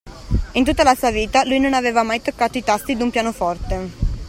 In tutta la sua vita, lui non aveva mai toccato i tasti d'un pianoforte!